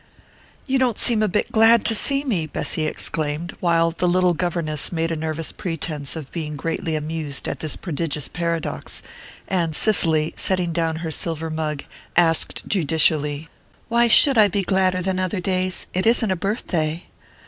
"You don't seem a bit glad to see me!" Bessy exclaimed, while the little governess made a nervous pretence of being greatly amused at this prodigious paradox, and Cicely, setting down her silver mug, asked judicially: "Why should I be gladder than other days? It isn't a birthday."